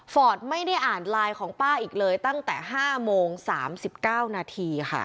ไม่ได้อ่านไลน์ของป้าอีกเลยตั้งแต่๕โมง๓๙นาทีค่ะ